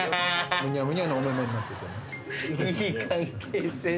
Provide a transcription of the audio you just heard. むにゃむにゃのお目々になっててね。